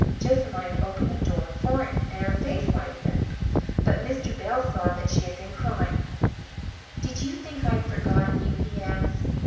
Jessamine opened the door for him, and her face lighted up, but Mr. Bell saw that she had been crying. "Did you think I had forgotten you?" he asked.